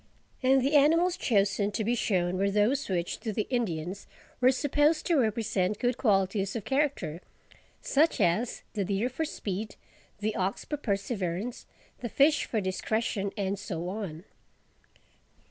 And the animals chosen to be shown were those which to the Indians were supposed to represent good qualities of character, such as, the deer for speed; the ox for perseverance; the fish for discretion, and so on.